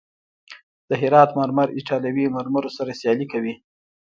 د هرات مرمر ایټالوي مرمرو سره سیالي کوي.